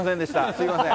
すみません。